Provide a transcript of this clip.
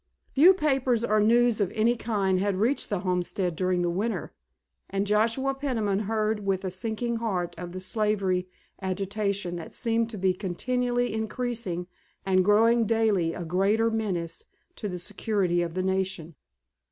Few papers or news of any kind had reached the homestead during the winter, and Joshua Peniman heard with a sinking heart of the slavery agitation that seemed to be continually increasing and growing daily a greater menace to the security of the nation.